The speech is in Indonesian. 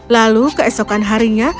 lalu keesokan harinya